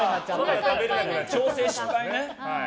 調整失敗ね。